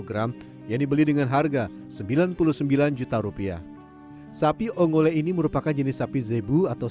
delapan ratus delapan puluh dua kg yang dibeli dengan harga sembilan puluh sembilan juta rupiah sapi ongol ini merupakan jenis sapi zebu atau